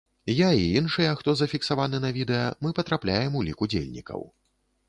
Я і іншыя, хто зафіксаваны на відэа, мы патрапляем у лік удзельнікаў.